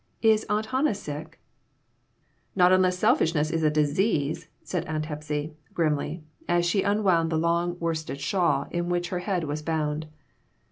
Is Aunt Hannah sick ?" "Not unless selfishness is a disease," said Aunt Hepsy, grimly, as she unwound the long worsted shawl in which her head was bound.